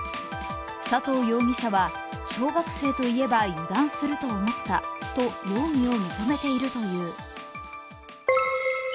佐藤容疑者は小学生と言えば油断すると思ったと容疑を認めているという。